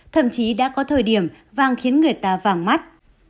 thậm chí đã có thời điểm vàng khiến người ta vàng mắt